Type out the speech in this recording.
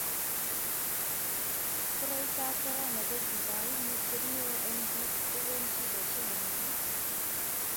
koroitab korona ko kaimutiet ne o eng bik kokon shidoshiek eng bik